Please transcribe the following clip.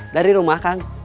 dari rumah kang